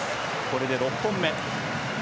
これで６本目。